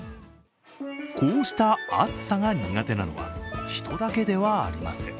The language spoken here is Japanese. こうした暑さが苦手なのは人だけではありません。